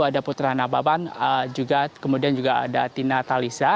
ada putra nababan kemudian juga ada tina talisa